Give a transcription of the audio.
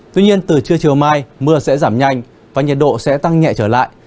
tuy nhiên từ trưa chiều mai mưa sẽ giảm nhanh và nhiệt độ sẽ tăng nhẹ trở lại